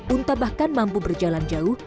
unta bahkan mampu berjalan jauh